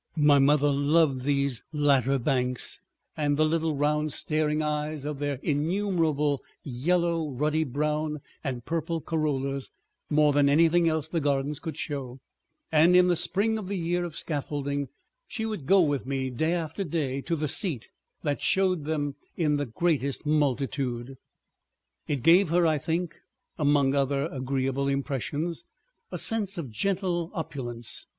My mother loved these latter banks and the little round staring eyes of their innumerable yellow, ruddy brown, and purple corollas, more than anything else the gardens could show, and in the spring of the Year of Scaffolding she would go with me day after day to the seat that showed them in the greatest multitude. It gave her, I think, among other agreeable impressions, a sense of gentle opulence.